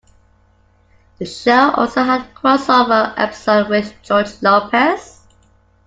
The show also had a crossover episode with "George Lopez".